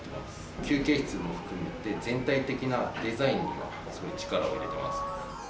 休憩室も含めて全体的なデザインもすごい力を入れています。